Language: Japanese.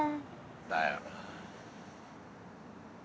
だよな。